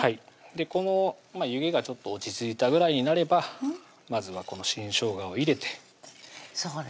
この湯気がちょっと落ち着いたぐらいになればまずはこの新しょうがを入れてそうだ